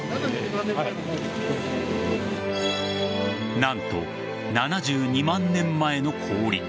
何と７２万年前の氷。